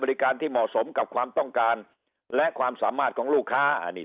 ที่เหมาะสมกับความต้องการและความสามารถของลูกค้าอันนี้